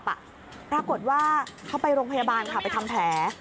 ปรากฏว่าเขาไปโรงพยาบาลค่ะไปทำแผล